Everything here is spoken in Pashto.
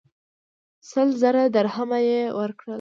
سل زره درهمه یې ورکړل.